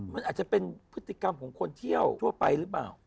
มันอาจจะเป็นพฤติกรรมของคนเที่ยวทั่วไปหรือเปล่า